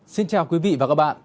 xin chào quý vị và các bạn